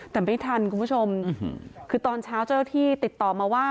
แต่ไม่ทันคุณผู้ชมคือตอนเช้าเจ้าหน้าที่ติดต่อมาว่า